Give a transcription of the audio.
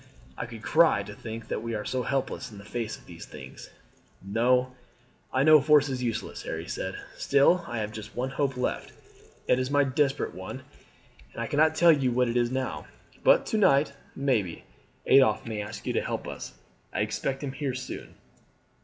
I could cry to think that we are so helpless in the face of these things." "No; I know force is useless," Harry said. "Still I have just one hope left. It is a desperate one, and I cannot tell you what it is now; but to night, maybe, Adolphe may ask you to help us. I expect him here soon."